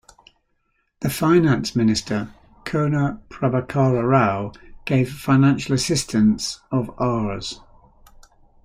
The Finance Minister Kona Prabhakara Rao gave financial assistance of Rs.